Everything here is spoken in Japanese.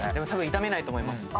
多分炒めないと思います。